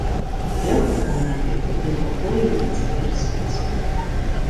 Лёг на канапе, у тым пакоі і цяпер спіць.